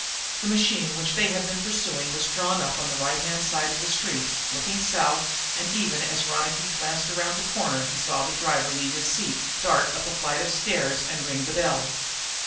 The machine which they had been pursuing was drawn up on the right hand side of the street, looking south, and, even as Ronicky glanced around the corner, he saw the driver leave his seat, dart up a flight of steps and ring the bell.